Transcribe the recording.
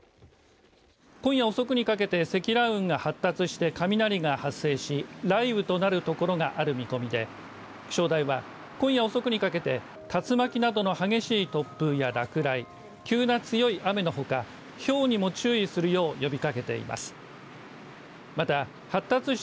今夜遅くにかけて積乱雲が発達して雷が発生し雷雨となる所がある見込みで気象台は、今夜遅くにかけて竜巻などの激しい突風や落雷急な強い雨のほかひょうにも注意するよう呼びかけています。